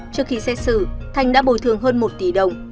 trước khi xét xử thanh đã bồi thường hơn một tỷ đồng